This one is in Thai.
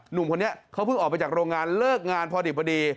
หนุ่มคนนี้เขาเพิ่งออกไปจากโรงงานเลิกงานพอดี